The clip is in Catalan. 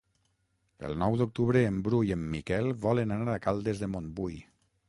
El nou d'octubre en Bru i en Miquel volen anar a Caldes de Montbui.